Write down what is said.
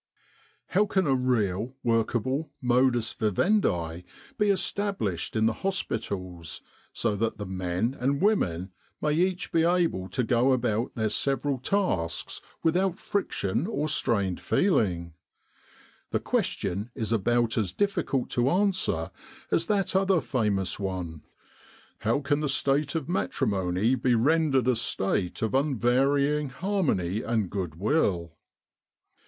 " How can a real, workable modus vivendi be established in the hospitals, so that the men and women may each be able to go about their several tasks without friction or strained feeling? The 267 With the R.A.M.C. in Egypt question is about as difficult to answer as that other famous one, ' How can the state of matrimony be rendered a state of unvarying harmony and good will